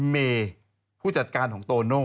เมย์ผู้จัดการของโตโน่